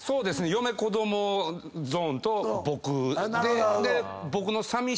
嫁・子供ゾーンと僕で。